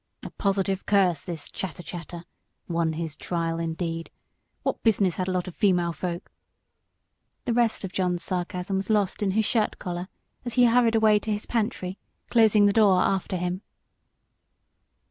"A positive curse, this chatter, chatter. Won his trial, indeed! What business had a lot of female folk " The rest of John's sarcasm was lost in his shirt collar as he hurried away to his pantry, closing the door after him.